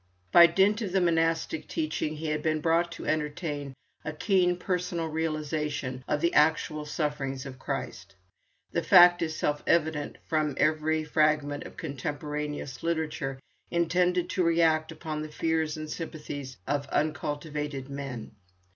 By dint of the monastic teaching, he had been brought to entertain a keen personal realisation of the actual sufferings of Christ. The fact is self evident from every fragment of contemporaneous literature intended to react upon the fears and sympathies of uncultivated men.